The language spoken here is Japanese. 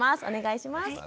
お願いします。